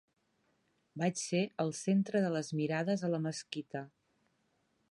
Vaig ser el centre de les mirades a la mesquita.